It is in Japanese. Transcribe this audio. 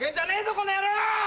この野郎！